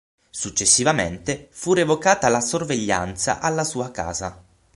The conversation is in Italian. Successivamente fu revocata la sorveglianza alla sua casa.